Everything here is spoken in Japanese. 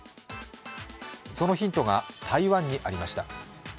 そのヒントが台湾にありました。